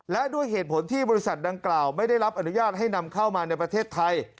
และด้วยเหตุผลที่บริษัทดังกล่าวไม่ได้รับอนุญาตให้นำเข้ามาในประเทศไทย